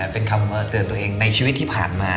เป็นคำว่าเตือนตัวเองในชีวิตที่ผ่านมา